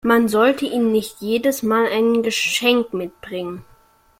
Man sollte ihnen nicht jedes Mal ein Geschenk mitbringen.